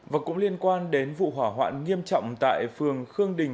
và cũng liên quan đến vụ hỏa hoạn nghiêm trọng tại phường khương đình